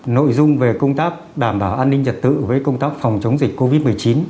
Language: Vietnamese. nội dung về công tác đảm bảo an ninh trật tự với công tác phòng chống dịch covid